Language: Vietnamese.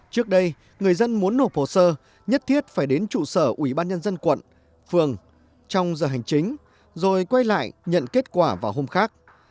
trước đây người dân muốn nộp hồ sơ nhất thiết phải đến trụ sở ủy ban nhân dân quận phường trong giờ hành chính rồi quay lại nhận kết quả vào hôm khác